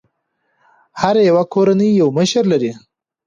هره يوه کورنۍ یو مشر لري.